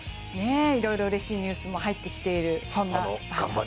いろいろうれしいニュースも入ってきている。